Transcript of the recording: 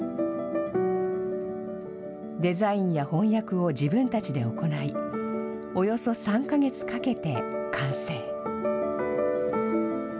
デザインや翻訳を自分たちで行い、およそ３か月かけて完成。